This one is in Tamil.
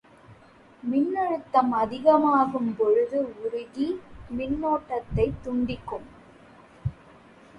மின்னழுத்தம் அதிகமாகும் பொழுது உருகி மின்னோட்டத்தைத் துண்டிக்கும்.